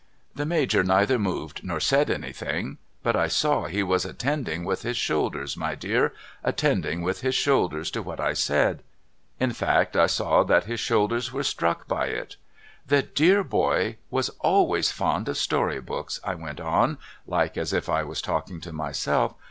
The Major neither moved nor said anything but I saw he was attending with his shoulders my dear^ — attending with his shoulders to what I said. In fact I saw that his shoulders were struck by it. 'The dear boy was always fond of story books' I went on, like as if I was talking to myself.